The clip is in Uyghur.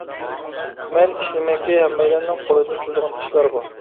مەن ئىشىنىمەنكى ھەممەيلەننىڭ قولىدىن كېلىدىغان ئىشلار بۇ.